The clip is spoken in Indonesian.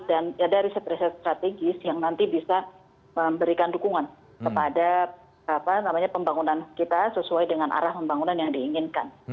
dan ada riset riset strategis yang nanti bisa memberikan dukungan kepada pembangunan kita sesuai dengan arah pembangunan yang diinginkan